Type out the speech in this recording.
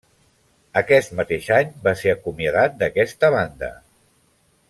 Aquest mateix any va ser acomiadat d'aquesta banda.